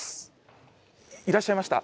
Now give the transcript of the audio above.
いらっしゃいました。